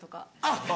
あっ。